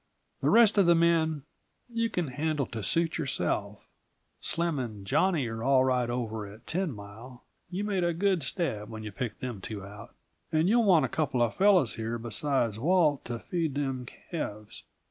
The rest of the men you can handle to suit yourself. Slim and Johnnie are all right over at Ten Mile you made a good stab when you picked them two out and you will want a couple of fellows here besides Walt, to feed them calves.